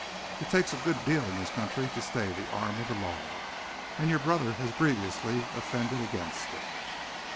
It takes a good deal in this country to stay the arm of the law, and your brother has grievously offended against it."